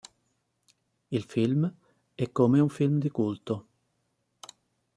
Il film è come come un film di culto.